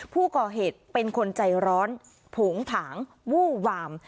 ผู้ก่อเหตุเป็นคนใจร้อนโผงผางวู้วาม